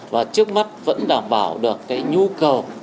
và trước mắt vẫn đảm bảo được cái nhu cầu